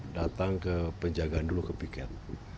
datang ke penjagaan dulu ke piket